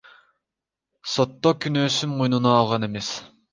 сотто күнөөсүн мойнуна алган эмес.